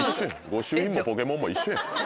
ご朱印もポケモンも一緒やん。